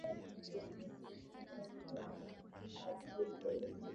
nje ya nchi zote mbili na hata kutoka kwa wanawake ambao wameupitia kama vile